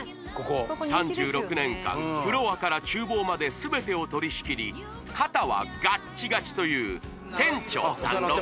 ３６年間フロアから厨房まで全てを取り仕切り肩はガッチガチという店長さん